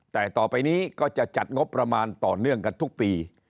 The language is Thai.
แต่ต่อไปนี้ก็จะจัดงบประมาณต่อเนื่องกันทุกปี